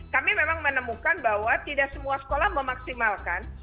kami memang menemukan bahwa tidak semua sekolah memaksimalkan